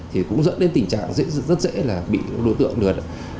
thì cũng dẫn đến tình trạng rất dễ là bị đối tượng được